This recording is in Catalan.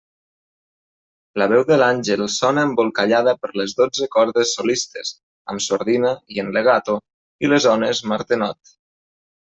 La veu de l'àngel sona embolcallada per les dotze cordes solistes —amb sordina i en legato— i les ones Martenot.